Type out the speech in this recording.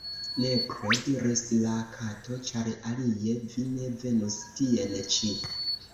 "Nepre," diris la Kato, "ĉar alie vi ne venus tien ĉi."